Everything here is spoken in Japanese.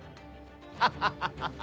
ハハハハハ。